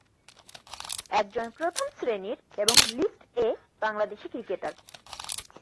একজন প্রথম শ্রেণীর এবং লিস্ট এ বাংলাদেশী ক্রিকেটার।